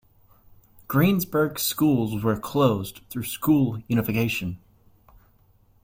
Greensburg schools were closed through school unification.